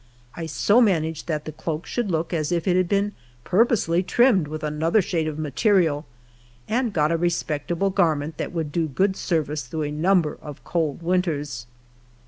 I so managed that the cloak should look as if it had been purposely trimmed with another shade of material, and got a respectable gar ment that would do good service through a number of cold winters.